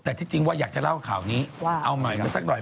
แต่หากจะเล่าข่อนี้หมายนี้สักหน่อย